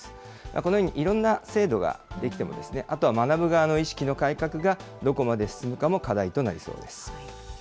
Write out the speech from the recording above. このようにいろんな制度が出来ても、あとは学ぶ側の意識の改革が、どこまで進むかも課題となりそうです。